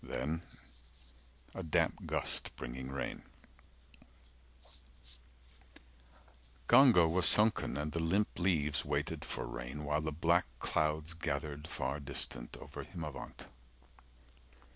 Then a damp gust Bringing rain Ganga was sunken, and the limp leaves 395 Waited for rain, while the black clouds Gathered far distant, over Himavant.